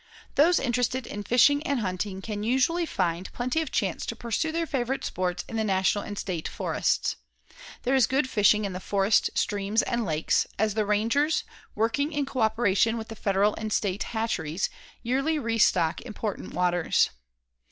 Those interested in fishing and hunting usually can find plenty of chance to pursue their favorite sports in the National and State Forests. There is good fishing in the forest streams and lakes, as the rangers, working in coöperation with Federal and State hatcheries yearly restock important waters.